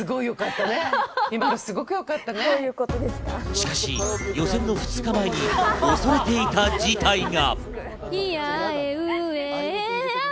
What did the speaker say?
しかし予選の２日前に恐れていた事態が。